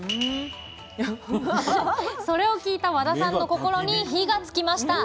それを聞いた和田さんの心に火がつきました。